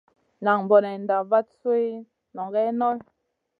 Nan bonenda vat sui nʼongue Noy.